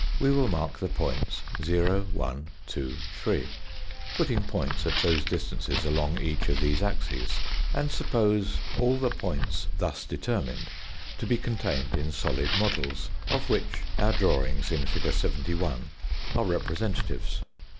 We will mark the points 0, 1,2, 3, putting points at those distances along each of these axes, and suppose Fig. 71. all the points thus determined to be contained in solid models of which our drawings in fig. 71 are represen tatives.